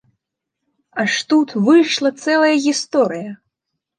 Аж тут выйшла цэлая гісторыя.